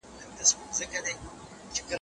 ولي زده کوونکي په خپله ژبه کي تېروتنې ژر سموي؟